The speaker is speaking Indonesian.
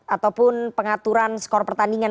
ataupun pengaturan skor pertandingan